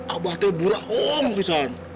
abah teh burang om pisan